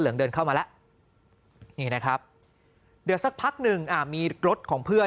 เหลืองเดินเข้ามาละนะครับเดี๋ยวสักพักนึงอ่ะมีรถของเพื่อน